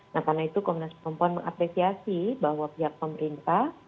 nah karena itu komnas perempuan mengapresiasi bahwa pihak pemerintah